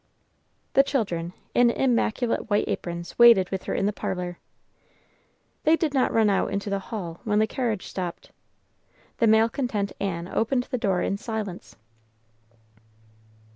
The children, in immaculate white aprons, waited with her in the parlor. They did not run out into the hall when the carriage stopped. The malcontent Ann opened the door in silence.